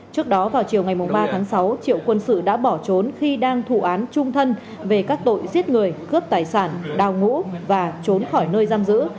trước đó vào chiều ngày ba tháng sáu triệu quân sự đã bỏ trốn khi đang thụ án trung thân về các tội giết người cướp tài sản đào ngũ và trốn khỏi nơi giam giữ